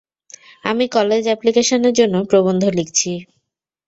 আমি কলেজ অ্যাপ্লিকেশনের জন্য প্রবন্ধ লিখছি।